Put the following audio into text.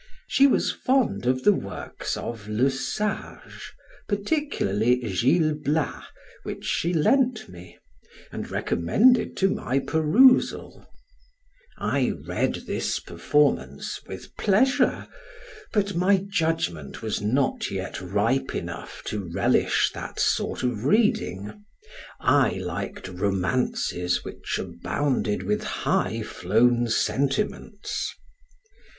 She was fond of the works of Le Sage, particularly Gil Blas, which she lent me, and recommended to my perusal. I read this performance with pleasure, but my judgment was not yet ripe enough to relish that sort of reading. I liked romances which abounded with high flown sentiments.